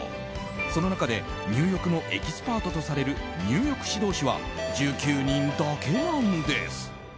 その中で入浴のエキスパートとされる入浴指導士は１９人だけなんです。